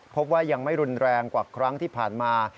พบว่ายังไม่รุนแรงกว่าครั้งที่ผ่านมา